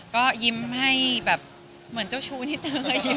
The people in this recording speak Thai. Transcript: ก็ยิ้มให้แบบเหมือนเจ้าชู้ที่เธอยิ้ม